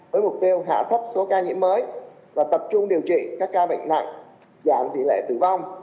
với mục tiêu hạ thấp số ca nhiễm mới và tập trung điều trị các ca bệnh nặng giảm tỷ lệ tử vong